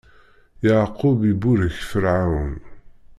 Yeɛqub iburek Ferɛun.